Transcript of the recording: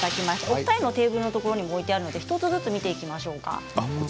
お二人のテーブルのところにも置いてあるので１つずつ見ていきましょうか。